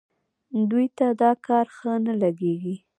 دوی ته دا کار ښه نه لګېږي.